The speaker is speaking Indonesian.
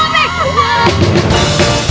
jangan jalan deh